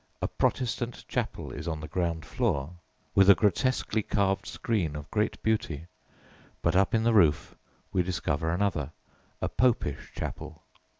A "Protestant" chapel is on the ground floor (with a grotesquely carved screen of great beauty), but up in the roof we discover another a "Popish" chapel.